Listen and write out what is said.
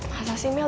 masa sih mel